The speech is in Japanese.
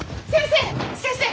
先生！